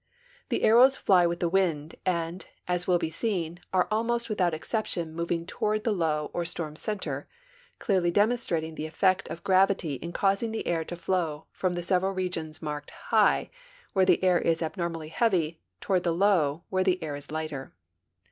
The arrows fly with the wind, and, as will be seen, are almost without exception moving toward the low or storm center, clearly demonstrating the effect of gravity in causing the air to flow from the several regions marked high, where the air is ab normally heavv, toward the low, where the air is lighter.